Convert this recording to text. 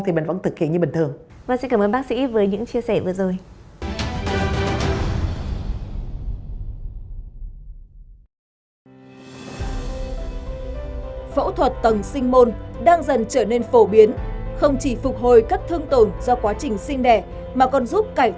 thì mình vẫn thực hiện như bình thường